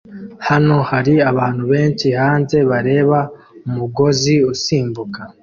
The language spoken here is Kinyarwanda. Hano hari abantu benshi hanze bareba umugozi usimbuka